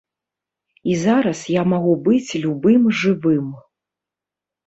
І зараз я магу быць любым жывым.